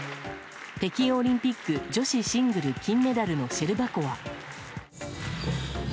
北京オリンピック女子シングル金メダルのシェルバコワ。